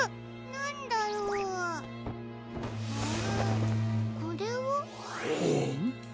なんだろう？これは。ん？